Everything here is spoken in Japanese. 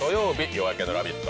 「夜明けのラヴィット！」